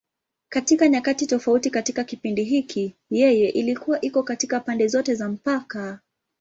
Katika nyakati tofauti katika kipindi hiki, yeye ilikuwa iko katika pande zote za mpaka.